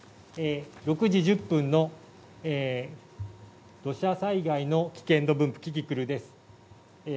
６時１０分の土砂災害の危険度分布、キキクルです。